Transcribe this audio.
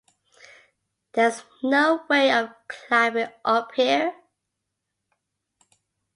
There's no way of climbing up here?